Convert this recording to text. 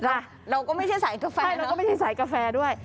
เราเราก็ไม่ใช่สายกาแฟเนอะใช่เราก็ไม่ใช่สายกาแฟด้วย